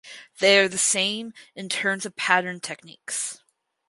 They are the same in terms of pattern techniques.